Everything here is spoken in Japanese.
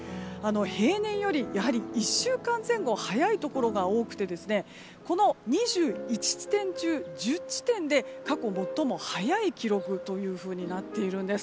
平年より、やはり１週間前後早いところが多くてこの２１地点中１０地点で過去最も早い記録となっているんです。